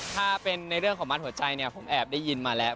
ถ้าเป็นในเรื่องของมัดหัวใจเนี่ยผมแอบได้ยินมาแล้ว